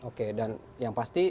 oke dan yang pasti